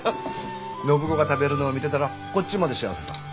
暢子が食べるのを見てたらこっちまで幸せさぁ。